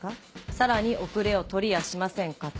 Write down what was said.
さらに後れを取りやしませんか」と。